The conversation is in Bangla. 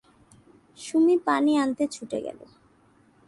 সুমী পানি আনতে ছুটে গেল।